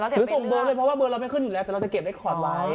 หรือส่งเบอร์เลยเพราะว่าเบอร์เราไม่ขึ้นอยู่แล้วแต่เราจะเก็บไว้คอร์ดไว้